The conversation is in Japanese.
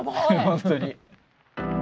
本当に。